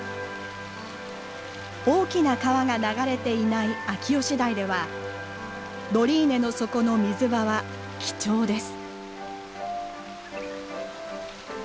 大きな川が流れていない秋吉台ではドリーネの底の水場は貴重です。